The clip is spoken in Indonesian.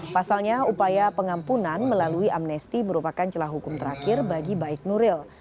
pasalnya upaya pengampunan melalui amnesti merupakan celah hukum terakhir bagi baik nuril